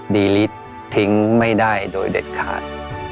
ดีฤทธิ์ทิ้งไม่ได้โดยเด็ดขาด